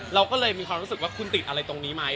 เราก็เลยมีความรู้สึกว่าคุณติดอะไรตรงนี้ไหม